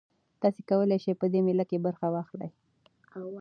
تاسي کولای شئ په دې مېله کې برخه واخلئ.